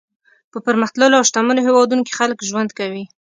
په پرمختللو او شتمنو هېوادونو کې خلک ژوند کوي.